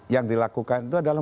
yang dilakukan itu adalah